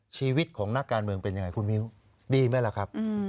ชีวิตของนักการเมืองเป็นยังไงคุณมิ้วดีไหมล่ะครับ